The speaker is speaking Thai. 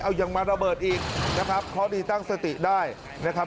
เอายังมาระเบิดอีกนะครับเพราะดีตั้งสติได้นะครับ